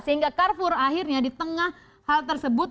sehingga carrefour akhirnya di tengah hal tersebut